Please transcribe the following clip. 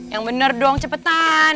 yang bener dong cepetan